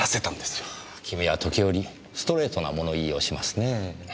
君は時折ストレートな物言いをしますねぇ。